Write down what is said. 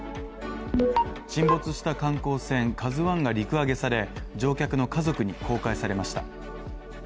沈没した観光船「ＫＡＺＵ１」が陸揚げされ、乗客の家族に公開されました。